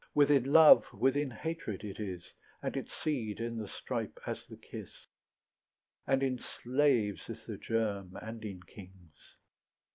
Within love, within hatred it is, And its seed in the stripe as the kiss, And in slaves is the germ, and in kings.